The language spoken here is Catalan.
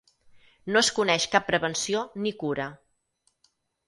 No es coneix cap prevenció ni cura.